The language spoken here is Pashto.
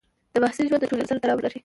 د محصل ژوند د ټولنې سره تړاو لري.